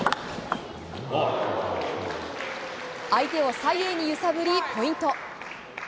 相手を左右に揺さぶりポイント。